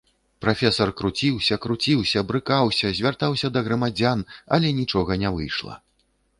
Прафесар круціўся, круціўся, брыкаўся, звяртаўся да грамадзян, але нічога не выйшла.